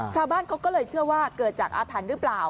ชาวบ้านเขาก็เลยเชื่อว่าเกิดจากอาถรรพ์หรือเปล่า